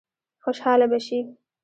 خوشاله به شي.